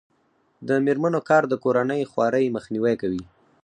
د میرمنو کار د کورنۍ خوارۍ مخنیوی کوي.